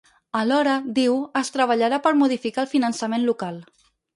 Alhora, diu, es treballarà per modificar el finançament local.